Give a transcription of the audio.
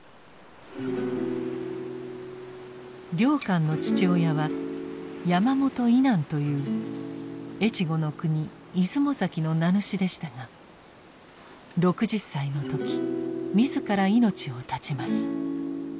良寛の父親は山本以南という越後国出雲崎の名主でしたが６０歳の時自ら命を絶ちます。